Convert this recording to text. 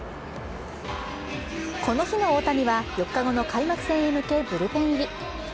この日の大谷は４日後の開幕戦へ向けブルペン入り。